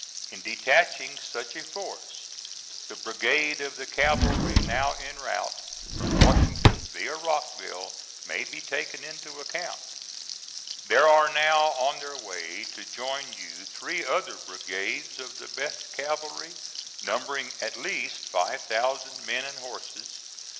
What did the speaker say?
In detaching such a force, the brigade of the cavalry now en route from Washington via Rockville may be taken into account. "There are now on their way to join you three other brigades of the best cavalry, numbering at least five thousand men and horses.